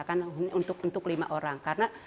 ada juga yang diterangkan oleh